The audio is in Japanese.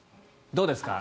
どうですか？